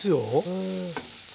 へえ。